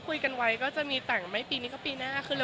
คุยกันไว้ต่างปีก็ไม่มีต่างั้ง